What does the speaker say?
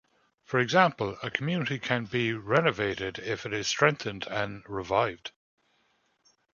For example, a community can be renovated if it is strengthened and revived.